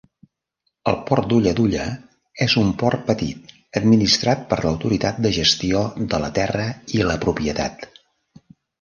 El port d'Ulladulla és un port petit administrat per l'Autoritat de Gestió de la Terra i la Propietat.